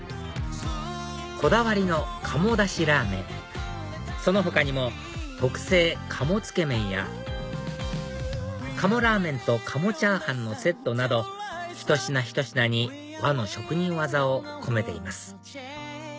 こだわりの鴨だしらぁ麺その他にも特製鴨つけ麺や鴨ラーメンと鴨チャーハンのセットなどひと品ひと品に和の職人技を込めています